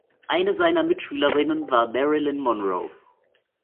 Eine seiner Mitschülerinnen war Marilyn Monroe.